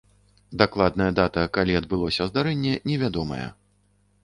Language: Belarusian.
Дакладная дата, калі адбылося здарэнне, невядомая.